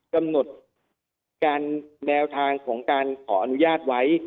กำหนดการแนวทางของการขออนุญาตไว้